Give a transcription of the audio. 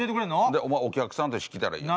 お前お客さんとして来たらいいやん。